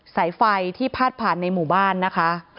สายไฟที่พาดผ่านในหมู่บ้านนะคะ